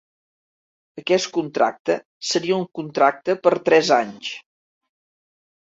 Aquest contracte seria un contracte per tres anys.